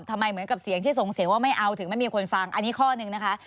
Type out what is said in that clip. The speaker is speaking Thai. เหมือนกับเสียงที่ส่งเสียงว่าไม่เอาถึงไม่มีคนฟังอันนี้ข้อหนึ่งนะคะ